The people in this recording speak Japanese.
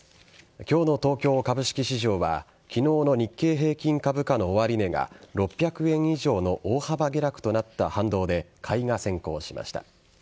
今日の東京株式市場は昨日の日経平均株価の終値が６００円以上の大幅下落となった反動で買いが先行しました。